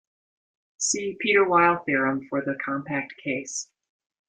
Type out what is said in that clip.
See Peter-Weyl theorem for the compact case.